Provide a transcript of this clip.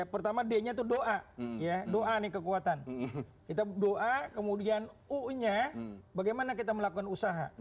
pertama d nya itu doa ya doa nih kekuatan kita doa kemudian u nya bagaimana kita melakukan usaha